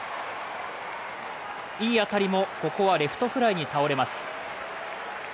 いい当たりも、ここはレフトフライに倒れます。